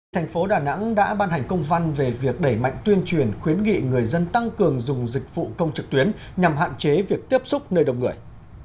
thành phố đà nẵng đã ban hành công văn về việc đẩy mạnh tuyên truyền khuyến nghị người dân tăng cường dùng dịch vụ công trực tuyến nhằm hạn chế việc tiếp xúc nơi đông người